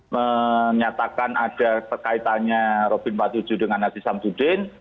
menyatakan ada kekaitannya robin empat puluh tujuh dengan aziz samsudin